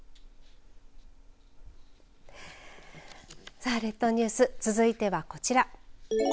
さあ列島ニュース続いてはこちら。